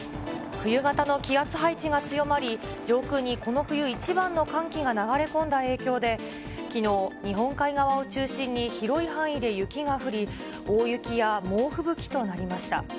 冬型の気圧配置が強まり、上空にこの冬一番の寒気が流れ込んだ影響で、きのう、日本海側を中心に広い範囲で雪が降り、大雪や猛吹雪となりました。